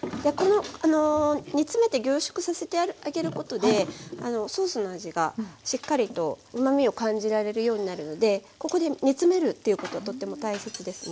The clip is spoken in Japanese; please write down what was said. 煮詰めて凝縮させてあげることでソースの味がしっかりとうまみを感じられるようになるのでここで煮詰めるっていうこととっても大切ですね。